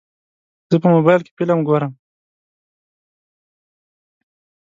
زه په موبایل کې فلم ګورم.